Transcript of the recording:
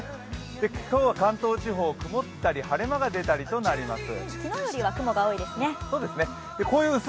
今日は関東地方、曇ったり、晴れ間が出たりとなります。